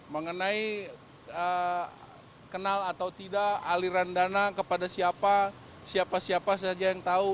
mengenai kenal atau tidak aliran dana kepada siapa siapa saja yang tahu